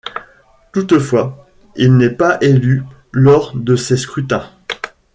Toutefois, il n'est pas élu lors de ces scrutins.